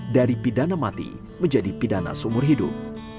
dari pidana mati menjadi pidana seumur hidup